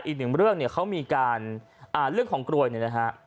อีกหนึ่งเรื่องเนี่ยเขามีการเรื่องของกรวยเนี่ยนะฮะ